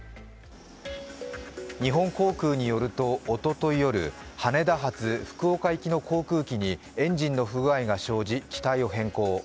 日本航空によると、おととい夜、羽田発福岡行きの航空機にエンジンの不具合が生じ機体を変更。